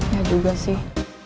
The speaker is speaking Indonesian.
ya juga sih